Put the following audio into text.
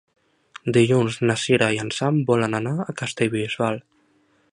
Dilluns na Cira i en Sam volen anar a Castellbisbal.